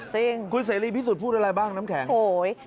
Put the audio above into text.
จริงคุณเสรีพิสุทธิพูดอะไรบ้างน้ำแข็งโอ้โห